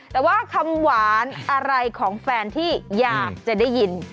แต่ว่าคำหวานอะไรของแฟนที่อยากจะได้ยิน